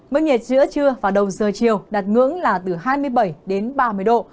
mức nhiệt giữa trưa và đầu giờ chiều đạt ngưỡng là từ hai mươi bảy đến ba mươi độ